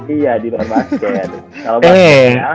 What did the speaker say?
iya di luar basket